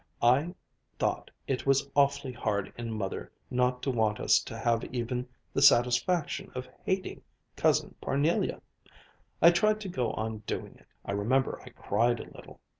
I thought it was awfully hard in Mother not to want us to have even the satisfaction of hating Cousin Parnelia! I tried to go on doing it. I remember I cried a little.